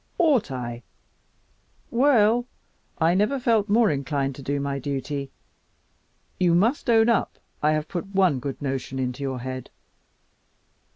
"Ought I? Well, I never felt more inclined to do my duty. You must own up I have put one good notion into your head?"